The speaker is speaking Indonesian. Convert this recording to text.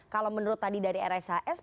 kalau menurut tadi dari rshs